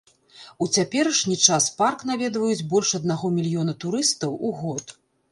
У цяперашні час парк наведваюць больш аднаго мільёна турыстаў у год.